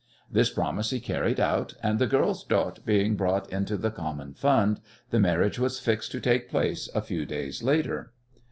This promise he carried out, and, the girl's dot being brought into the common fund, the marriage was fixed to take place a few days later.